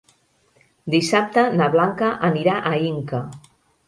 Dissabte na Blanca anirà a Inca.